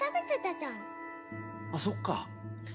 あっそっか